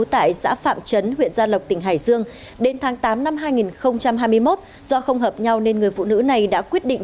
tại xã phạm trấn huyện gia lộc tỉnh hải dương đến tháng tám năm hai nghìn hai mươi một do không hợp nhau nên người phụ nữ này đã quyết định